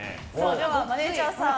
ではマネジャーさん